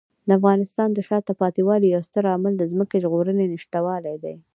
د افغانستان د شاته پاتې والي یو ستر عامل د ځمکې زرغونې نشتوالی دی.